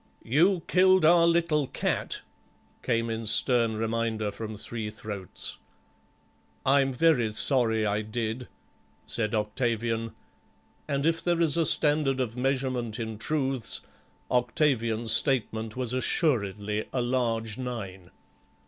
"You killed our little cat," came in stern reminder from three throats. "I'm sorry I did," said Octavian, and if there is a standard measurement in truths Octavian's statement was assuredly a large nine.